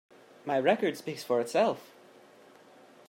My record speaks for itself.